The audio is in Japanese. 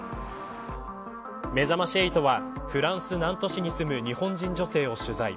めざまし８はフランス、ナント市に住む日本人女性を取材。